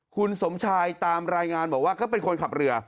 คุณสมชายตามรายงานบอกว่าก็เป็นคนขับเรือ